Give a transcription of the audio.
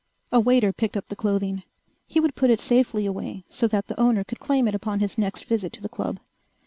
A waiter picked up the clothing. He would put it safely away so that the owner could claim it upon his next visit to the club.